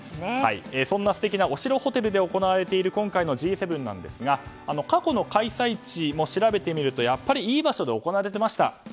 そんな素敵なお城ホテルで行われている今回のＧ７ですが過去の開催地も調べてみるといい場所で行われていました。